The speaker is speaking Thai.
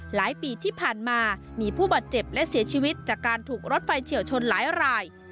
หลายปีที่ผ่านมามีผู้บาดเจ็บและเสียชีวิตจากการถูกรถไฟเฉียวชนหลายราย